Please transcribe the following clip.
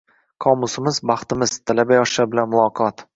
Qomusimiz baxtimiz: talaba yoshlar bilan muloqotng